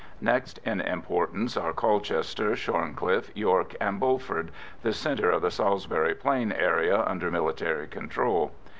Next in importance are Colchester, Shorncliffe, York, and Bulford the centre of the Salisbury Plain area under military control.